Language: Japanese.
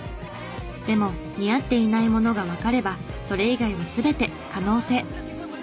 でも似合っていないものがわかればそれ以外は全て可能性。